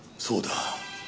そうだ。